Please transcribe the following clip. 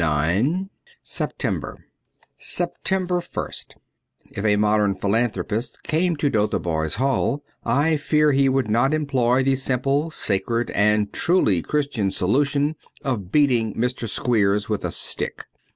tC) September SEPTEMBER ist IF a modern philanthropist came to Dotheboys Hall I fear he would not employ the simple, sacred and truly Christian solution of beating Mr. Squeers with a stick.